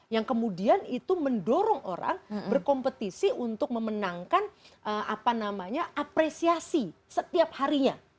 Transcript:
yang kemudian itu mendorong orang berkompetisi untuk memenangkan apresiasi setiap harinya